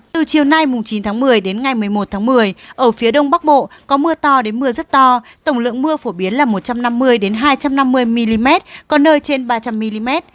từ chiều nay chín tháng một mươi đến ngày một mươi một tháng một mươi ở phía đông bắc bộ có mưa to đến mưa rất to tổng lượng mưa phổ biến là một trăm năm mươi hai trăm năm mươi mm có nơi trên ba trăm linh mm